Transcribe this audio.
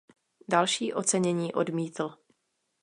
Další ocenění odmítl.